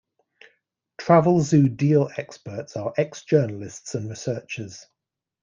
Travelzoo Deal Experts are ex-journalists and researchers.